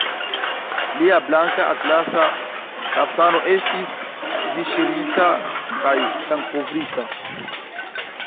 Lia blanka atlasa kaftano estis disŝirita kaj sangkovrita.